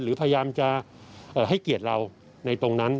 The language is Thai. หรือพยายามจะให้เกียรติเราในตรงนั้น